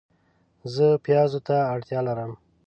زه پیازو ته اړتیا لرم